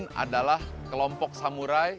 dan mereka adalah kelompok samurai